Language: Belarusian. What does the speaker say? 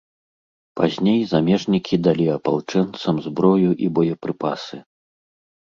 Пазней замежнікі далі апалчэнцам зброю і боепрыпасы.